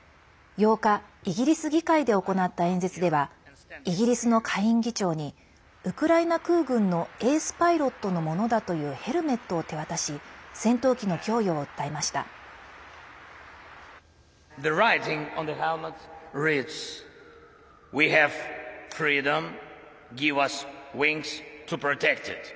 ８日イギリス議会で行った演説ではイギリスの下院議長にウクライナ空軍のエースパイロットのものだというヘルメットを手渡し戦闘機の供与を訴えました。